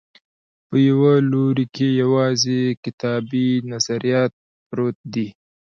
په یوه لوري کې یوازې کتابي نظریات پرت دي.